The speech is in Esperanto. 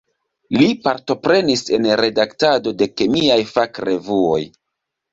Li partoprenis en redaktado de kemiaj fakrevuoj.